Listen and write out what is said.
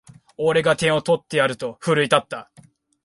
俺が点を取ってやると奮い立った